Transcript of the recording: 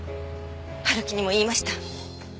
春樹にも言いました。